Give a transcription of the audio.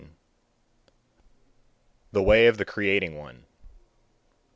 THE WAY OF THE CREATING ONE.